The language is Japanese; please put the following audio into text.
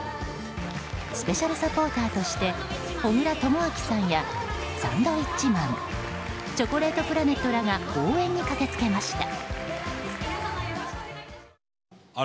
スペシャルサポーターとして小倉智昭さんやサンドウィッチマンチョコレートプラネットらが応援に駆けつけました。